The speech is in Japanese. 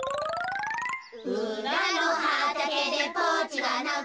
「うらのはたけでポチがなく」